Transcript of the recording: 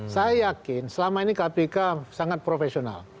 saya yakin selama ini kpk sangat profesional